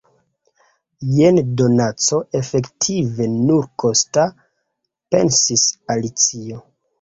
"Jen donaco efektive nulkosta!" pensis Alicio.